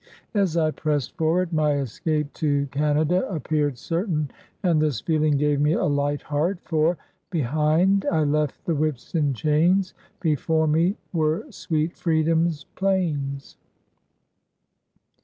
As I pressed forward, my escape to Canada appeared certain, and this feeling gave me a light heart, for 1 Behind I left the whips and chains, Before me were sweet Freedom's plains.'